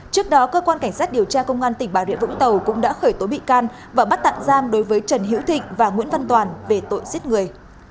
trước đó cơ quan cảnh sát điều tra công an tỉnh bà rịa vũng tàu cũng đã khởi tố bị can và bắt tạm giam đối với trần hiễu thịnh và nguyễn văn toàn về tội giết người